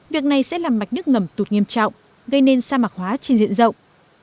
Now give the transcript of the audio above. việc này sẽ làm mạch nước ngầm tụt nghiêm trọng gây nên sa mạc hóa trên diện rộng